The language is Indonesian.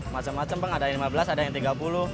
macem macem bang ada yang lima belas ada yang tiga puluh